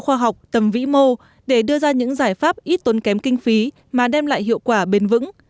khoa học tầm vĩ mô để đưa ra những giải pháp ít tốn kém kinh phí mà đem lại hiệu quả bền vững